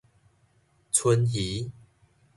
鰆魚